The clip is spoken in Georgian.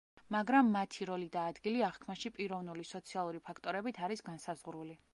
მაგრამ მათი როლი და ადგილი აღქმაში პიროვნული, სოციალური ფაქტორებით არის განსაზღვრული.